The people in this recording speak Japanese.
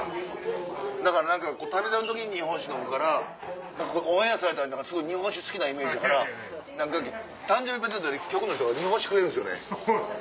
だから何か『旅猿』の時に日本酒飲むからオンエアされたらすごい日本酒好きなイメージやから誕生日プレゼントに局の人が日本酒くれるんですよね。